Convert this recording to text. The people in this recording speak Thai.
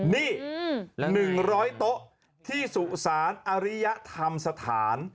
นี่๑๐๐โต๊ะที่สุสานอริยธรรมสถาน